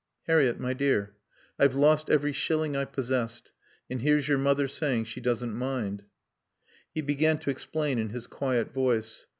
"Harriett, my dear, I've lost every shilling I possessed, and here's your mother saying she doesn't mind." He began to explain in his quiet voice.